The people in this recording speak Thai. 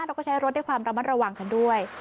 เราก็ใช้รถด้วยความระมัดระวังกันด้วย